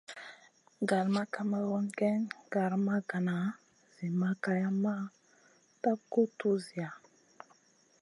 Gal ma kamerun géyn gara ma gana Zi ma kayamma tap guʼ tuwziya.